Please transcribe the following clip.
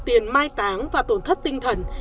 tiền mai táng và tổn thất tinh thần